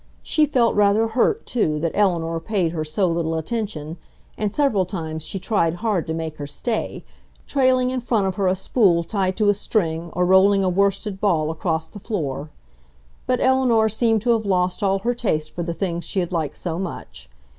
She felt rather hurt, too, that Eleanor paid her so little attention, and several times she tried hard to make her stay, trailing in front of her a spool tied to a string or rolling a worsted ball across the floor. But Eleanor seemed to have lost all her taste for the things she had liked so much.